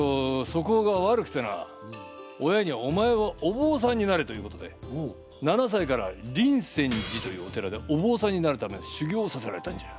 そこうが悪くてな親にお前はおぼうさんになれということで７さいから林泉寺というお寺でおぼうさんになるための修行をさせられたんじゃ。